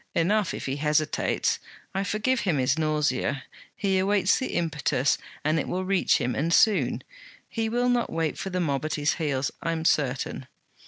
'Enough if he hesitates. I forgive him his nausea. He awaits the impetus, and it will reach him, and soon. He will not wait for the mob at his heels, I am certain.